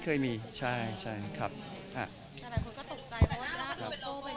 เมื่อก่อนถึงใช้ทำลายของเรื่องก็ล่อไปดีกว่า